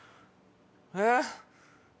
えっ。